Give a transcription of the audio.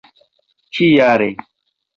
ĉi jare